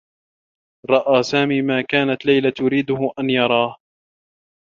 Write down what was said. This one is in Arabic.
رأى سامي ما كانت ليلى تريده أن يراه.